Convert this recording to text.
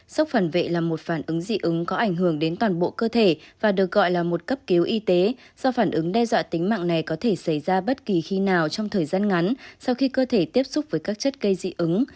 sốc phản vệ là một phản ứng dị ứng có ảnh hưởng đến toàn bộ cơ thể và được gọi là một cấp cứu y tế do phản ứng đe dọa tính mạng này có thể xảy ra bất kỳ khi nào trong thời gian ngắn sau khi cơ thể tiếp xúc với các chất gây dị ứng